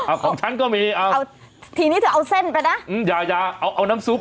เอาของฉันก็มีเอาเอาทีนี้เธอเอาเส้นไปนะอืมอย่าอย่าเอาเอาน้ำซุป